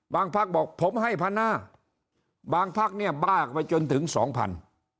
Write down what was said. บางภักดิ์บอกผมให้พันห้าบางภักดิ์เนี่ยบ้ากไปจนถึงสองพัน